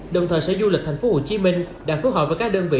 đồng thời sở du lịch thành phố hồ chí minh đã phối hợp với các đơn vị